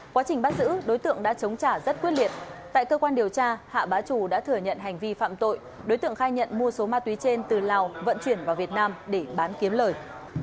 quá trình bắt giữ đối tượng đã chống trả rất quyết liệt tại cơ quan điều tra hạ bá trù đã thừa nhận hành vi phạm tội đối tượng khai nhận mua số ma túy trên từ lào vận chuyển vào việt nam để bán kiếm lời